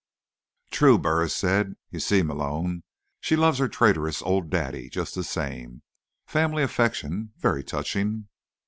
"True," Burris said. "You see, Malone, she loves her traitorous old daddy just the same. Family affection. Very touching."